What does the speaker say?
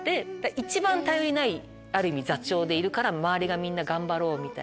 一番頼りないある意味座長でいるから周りがみんな頑張ろう！みたいな。